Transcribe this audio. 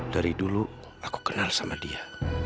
dari dulu aku kenal sama dia